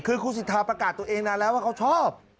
คือคุณสิทธาประกาศตัวเองนานแล้วว่าเขาชอบ